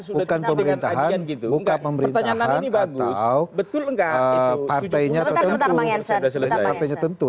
bukan pemerintahan bukan pemerintahan atau partainya tentu